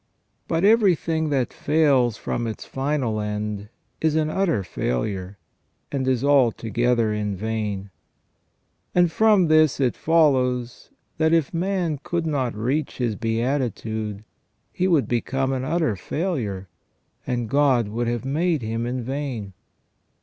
But everything that fails from its final end is an utter failure, and is altogether in vain. And from this it follows, that if man could not reach his beatitude, he would become an utter failure, and God would have made him in vain.